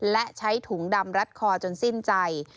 และใช้ถุงดำรัดคอจนสิ้นใจ